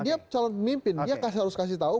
dia calon pemimpin dia harus kasih tahu